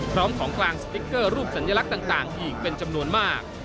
ของกลางสติ๊กเกอร์รูปสัญลักษณ์ต่างอีกเป็นจำนวนมาก